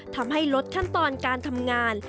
ทำให้ลดขั้นตอนการทำงาน